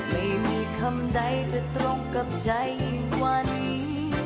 ไม่มีคำใดจะตรงกับใจอิ่มกว่านี้